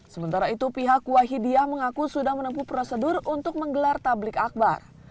sementara itu pihak wahidiyah mengaku sudah menempuh prosedur untuk menggelar tablik akbar